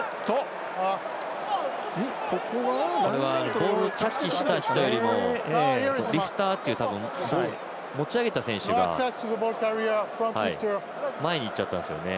ボールをキャッチした人よりもリフターっていう持ち上げた選手が前にいっちゃったんですよね。